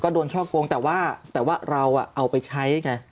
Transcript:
ก็โดนช่อกโกงแต่ว่าเราเอาไปใช้ไง